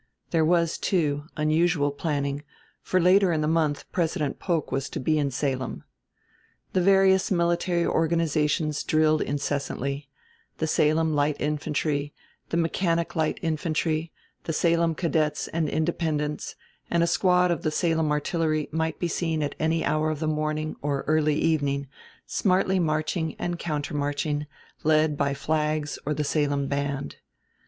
There was, too, unusual planning, for later in the month President Polk was to be in Salem. The various military organizations drilled incessantly: the Salem Light Infantry, the Mechanic Light Infantry, the Salem Cadets and Independents and a squad of the Salem Artillery might be seen at any hour of the morning or early evening smartly marching and countermarching, led by Flag's or the Salem Band.